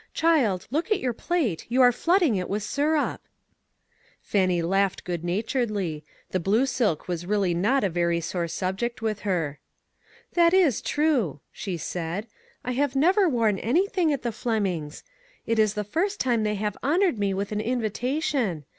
Child, look at your plate, you are flooding it with syrup !" Fannie laughed good naturedly ; the blue silk was really not a very sore subject with her. " That is true," she said. " I have never worn anything at the Flemings. It is the first time they have honored me with an in vitation.